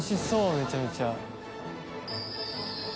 めちゃめちゃ。